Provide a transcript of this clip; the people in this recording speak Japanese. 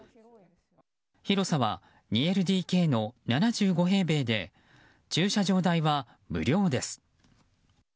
広さは２ＬＤＫの７５平米で駐車場代は無料です。